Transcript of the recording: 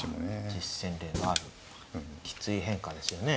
実戦例のあるきつい変化ですよね。